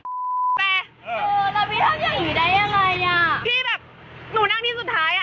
แต่เออแล้วพี่ทำอย่างนี้ได้ยังไงอ่ะพี่แบบหนูนั่งที่สุดท้ายอ่ะ